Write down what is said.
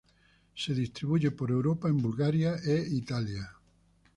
Se distribuye por Europa en Bulgaria e Italia.